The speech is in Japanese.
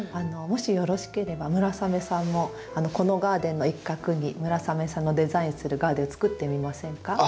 もしよろしければ村雨さんもこのガーデンの一画に村雨さんのデザインするガーデンをつくってみませんか？